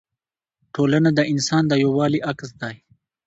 ټولنه د انسان د یووالي عکس دی.